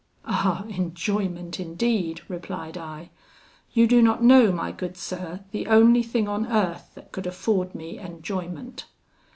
'Ah, enjoyment, indeed!' replied I; 'you do not know, my good sir, the only thing on earth that could afford me enjoyment.'